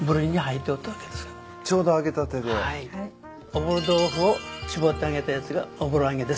おぼろ豆腐を搾って揚げたやつがおぼろ揚げです。